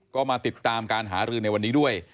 ก็มาติดตามการหารือในวันนี้ด้วย